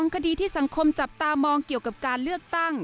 คดีที่สังคมจับตามองเกี่ยวกับการเลือกตั้ง